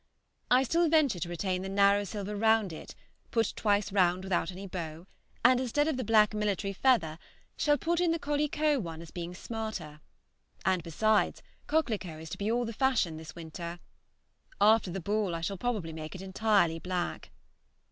I still venture to retain the narrow silver round it, put twice round without any bow, and instead of the black military feather shall put in the coquelicot one as being smarter, and besides coquelicot is to be all the fashion this winter. After the ball I shall probably make it entirely black.